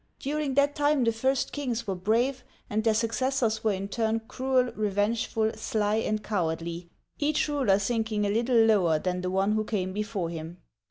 During that time the first kings were brave, and their successors were in turn cruel, revenge ful, sly, and cowardly, each ruler sinking a little lower than the one who came before him.